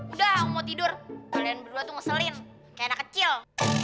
udah mau tidur kalian berdua tuh ngeselin kayak anak kecil